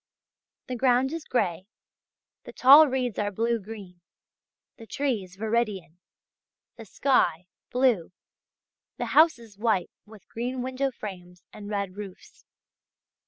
The ground is grey, the tall reeds are blue green, the trees viridian, the sky blue, the houses white with green window frames and red roofs.